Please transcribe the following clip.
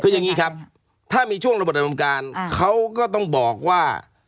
คืออย่างนี้ครับถ้ามีช่วงระบบดำการเขาก็ต้องบอกว่า